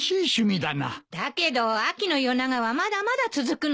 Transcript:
だけど秋の夜長はまだまだ続くのよ。